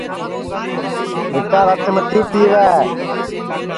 ٻِیٹا رت متی پِیوے